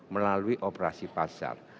melalui operasi pasar